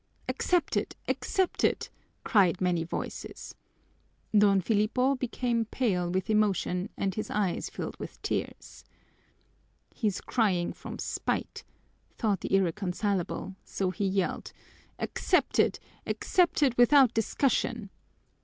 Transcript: "Accepted! Accepted!" cried many voices. Don Filipo became pale with emotion and his eyes filled with tears. "He's crying from spite," thought the irreconcilable, so he yelled, "Accepted! Accepted without discussion!"